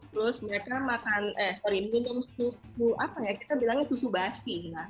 terus mereka makan eh sorry minum susu apa ya kita bilangnya susu basi